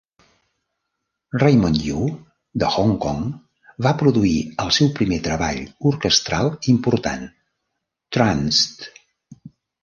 Raymond Yiu, de Hong Kong, va produir el seu primer treball orquestral important, "Tranced".